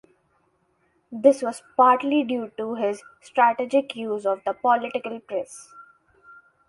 This was partly due to his strategic use of the political press.